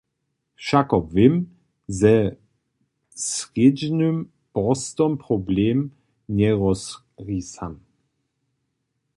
Wšako wěm: Ze srjedźnym porstom problem njerozrisamy.